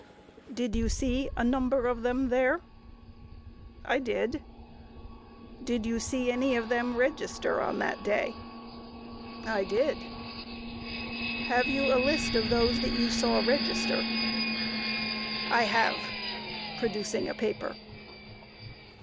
Q. Did you see a number of them there? A. I did. Q. Did you see any of them register on that day? A. I did. Q. Have you a list of those that you saw register? A. I have, (producing a paper.)